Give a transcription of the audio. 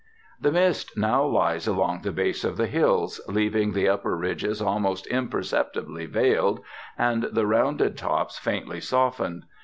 The mist now lies along the base of the hills, leaving the upper ridges almost imperceptibly veiled and the rounded tops faintly softened.